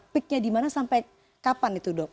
peaknya di mana sampai kapan itu dok